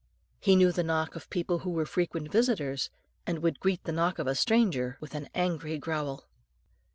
He knew the knock of people who were frequent visitors, and would greet the knock of a stranger with an angry growl.